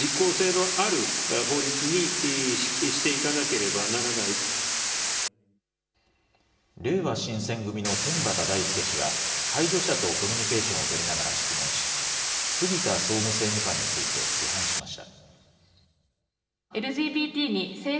れいわ新選組の天畠大輔氏は、介助者とコミュニケーションを取りながら質問し、杉田総務政務官について批判しました。